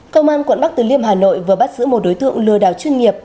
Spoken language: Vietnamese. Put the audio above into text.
công an quận bắc từ liêm hà nội vừa bắt giữ một đối tượng lừa đảo chuyên nghiệp